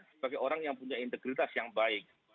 sebagai orang yang punya integritas yang baik